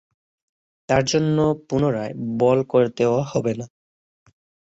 তার জন্য পুনরায় বল করতেও হবে না।